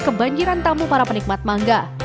kebanjiran tamu para penikmat mangga